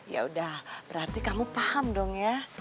yaudah berarti kamu paham dong ya